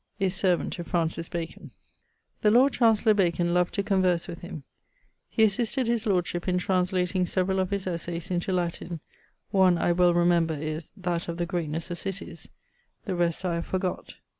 <_Is servant to Francis Bacon._> The Lord Chancellour Bacon loved to converse[C.] with him. He assisted his lordship in translating severall of his Essayes into Latin, one, I well remember, is that Of the Greatnes of Cities: the rest I have forgott.